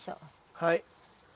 はい。